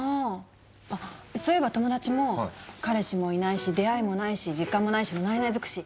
あっそういえば友達も「彼氏もいないし出会いもないし時間もないしのないない尽くし。